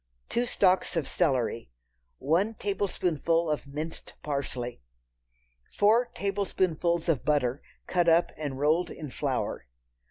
Two stalks of celery. One tablespoonful of minced parsley. Four tablespoonfuls of butter, cut up and rolled in flour.